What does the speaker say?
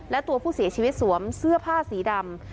และตัวผู้เสียชีวิตสวมเสื้อผ้าสีดำ